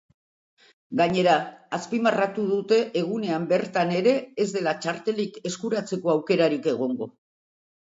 Gainera, azpimarratu dute egunean bertan ere ez dela txartelik eskuratzeko aukerarik egongo.